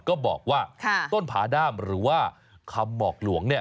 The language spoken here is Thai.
ก็บอกว่าต้นผาด้ามหรือว่าคำหมอกหลวงเนี่ย